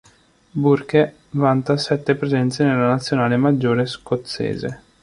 Burke vanta sette presenze nella nazionale maggiore scozzese.